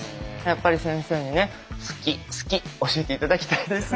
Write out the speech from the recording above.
やっぱり先生にね「好き好き」教えて頂きたいです。